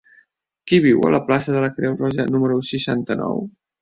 Qui viu a la plaça de la Creu Roja número seixanta-nou?